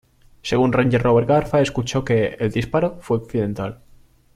Según Ranger Robert Garza escuchó que "el disparo fue accidental".